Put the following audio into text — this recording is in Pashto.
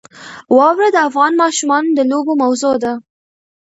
واوره د افغان ماشومانو د لوبو موضوع ده.